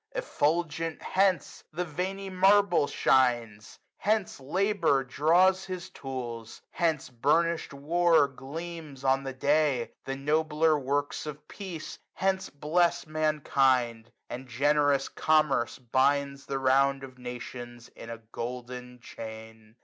Effulgent, hence the veiny marble shines ; 135 Hence Labour draws his tools ; hence burnished War Gleams on the day ; the nobler works of Peace SUMMER. 55 Hence bless mankind ; and generous Commerce binds The round of nations in a golden chain.